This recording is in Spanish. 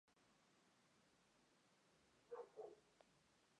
Asistió al colegio secundario St.